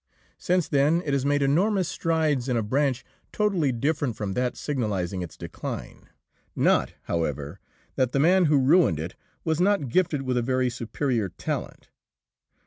Since then it has made enormous strides in a branch totally different from that signalising its decline. Not, however, that the man who ruined it was not gifted with a very superior talent.